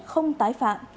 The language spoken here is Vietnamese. không tái phạm